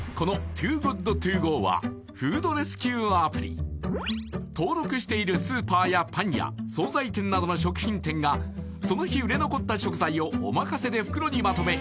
この「ＴｏｏＧｏｏｄＴｏＧｏ」はフードレスキューアプリ登録しているスーパーやパン屋総菜店などの食品店がその日売れ残った食材をおまかせで袋にまとめ